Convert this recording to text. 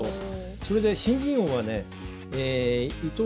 それで新人王はね伊藤匠